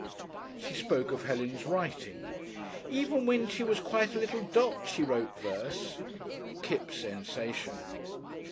She spoke of Helen's writing. "Even when she was quite a little dot she wrote verse." (Kipps, sensation.)